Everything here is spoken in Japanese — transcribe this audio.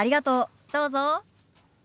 どうぞ。